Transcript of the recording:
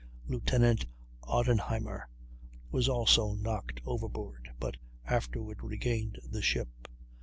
Lieutenant Odenheimer was also knocked overboard, but afterward regained the ship.